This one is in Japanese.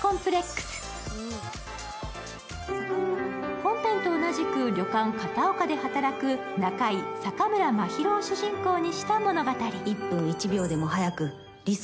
本編と同じく旅館かたおかで働く仲井・坂村まひろを主人公にした物語。